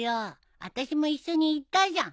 あたしも一緒に行ったじゃん。